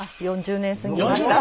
４０年過ぎました。